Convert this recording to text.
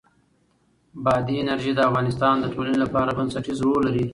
بادي انرژي د افغانستان د ټولنې لپاره بنسټيز رول لري.